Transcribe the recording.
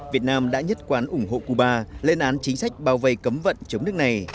việt nam đã nhất quán ủng hộ cuba lên án chính sách bao vây cấm vận chống nước này